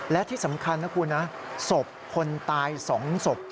และที่สำคัญนะคุณนะศพคนตาย๒ศพ